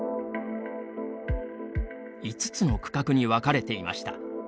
５つの区画に分かれていました。